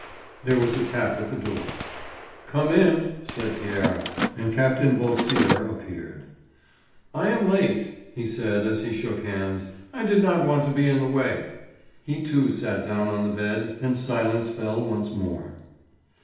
There was a tap at the door. "Come in," said Pierre, and Captain Beausire appeared. "I am late," he said as he shook hands, "I did not want to be in the way." He, too, sat down on the bed and silence fell once more.